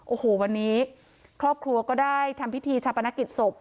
โอ้โหวันนี้ครอบครัวก็ได้ทำพิธีชาปนกิจศพ